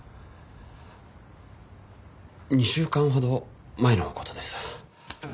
２週間ほど前の事です。